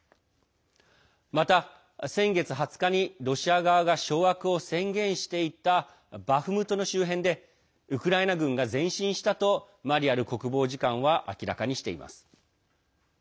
また、先月２０日にロシア側が掌握を宣言していたバフムトの周辺でウクライナ軍が前進したとマリャル国防次官は明らかにしています。